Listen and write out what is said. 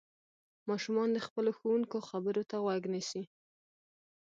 ماشومان د خپلو ښوونکو خبرو ته غوږ نيسي.